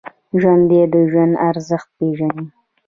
ژوندي د ژوند ارزښت پېژني